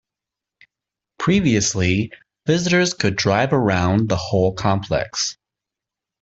Previously visitors could drive around the whole complex.